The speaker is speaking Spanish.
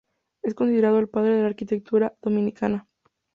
Es considerado el Padre de la Arquitectura Dominicana.